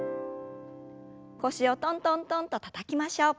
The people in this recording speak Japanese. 腰をトントントンとたたきましょう。